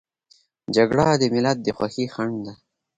جګړه د ملت د خوښۍ خنډ ده